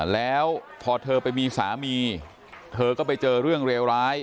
แล้วพอเธอไปมีสามีเธอก็ไปเจอเรื่องเลวร้าย